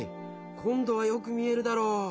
こんどはよく見えるだろう。